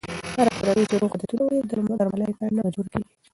هره کورنۍ چې روغ عادتونه ولري، درملنې ته نه مجبوره کېږي.